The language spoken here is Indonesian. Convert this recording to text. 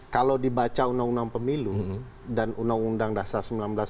kalau dibaca undang undang pemilu dan undang undang dasar seribu sembilan ratus empat puluh lima